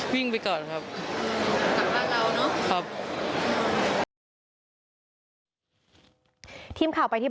ทีมข่าวไปที่บ้านอีกแล้วนะครับ